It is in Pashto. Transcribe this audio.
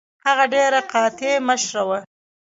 هغه ډیره قاطع مشره وه.